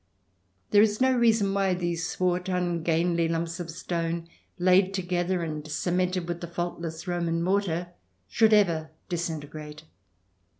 There is no reason why these swart ungainly lumps of stone, laid together and cemented with the faultless Roman mortar, should ever disintegrate.